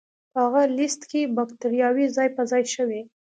په هغه لست کې بکتریاوې ځای په ځای شوې.